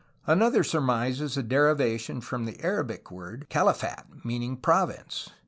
Another surmises a derivation from the Arabic word "Kali fat," meaning "province."